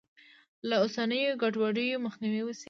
له اوسنیو ګډوډیو مخنیوی وشي.